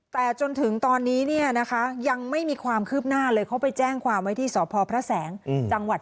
แต่จนถืนตอนนี้นะคะยังไม่มีความคืบหน้าเลย